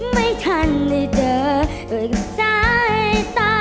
ไม่ทันที่เจอเกิดกับสายตา